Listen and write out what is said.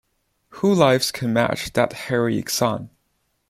Who lives that can match that heroick song?